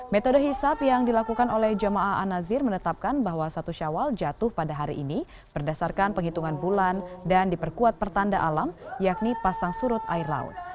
metode hisap yang dilakukan oleh jemaah an nazir menetapkan bahwa satu syawal jatuh pada hari ini berdasarkan penghitungan bulan dan diperkuat pertanda alam yakni pasang surut air laut